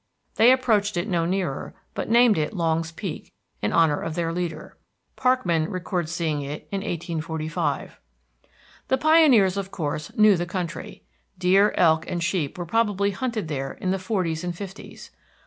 They approached it no nearer, but named it Longs Peak, in honor of their leader. Parkman records seeing it in 1845. The pioneers, of course, knew the country. Deer, elk, and sheep were probably hunted there in the forties and fifties.